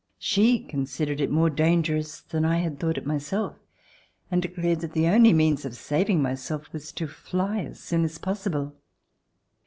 She considered it more dangerous than I had thought it myself and declared that the only means of saving myself was to fly as soon as possible.